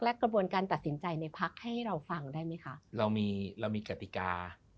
และกระบวนการตัดสินใจในพักให้เราฟังได้ไหมคะ